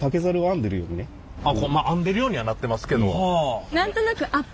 編んでるようにはなってますけど。